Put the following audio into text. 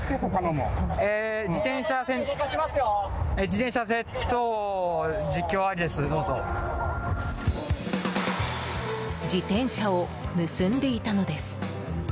自転車を盗んでいたのです。